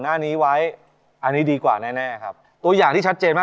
หน้านี้ไว้อันนี้ดีกว่าแน่แน่ครับตัวอย่างที่ชัดเจนมาก